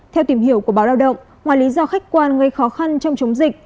theo tìm hiểu của báo lao động ngoài lý do khách quan gây khó khăn trong chống dịch